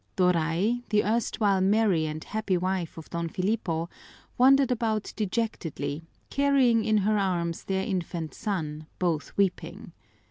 Doray, the erstwhile merry and happy wife of Don Filipo, wandered about dejectedly, carrying in her arms their infant son, both weeping.